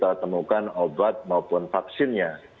dan kita temukan obat maupun vaksinnya